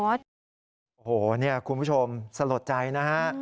โอ้โหเนี่ยคุณผู้ชมสลดใจนะฮะ